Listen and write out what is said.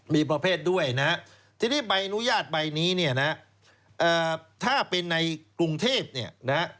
มีประเภทด้วยนะฮะทีนี้ใบอนุญาตใบนี้เนี่ยนะถ้าเป็นในกรุงเทพเนี่ยนะฮะ